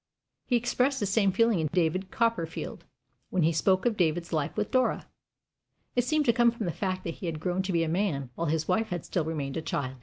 He expressed the same feeling in David Copperfield, when he spoke of David's life with Dora. It seemed to come from the fact that he had grown to be a man, while his wife had still remained a child.